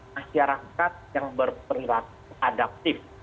masyarakat yang berperilaku adaptif